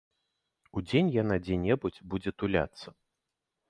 Удзень яна дзе-небудзь будзе туляцца.